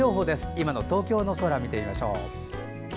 今の東京の空を見てみましょう。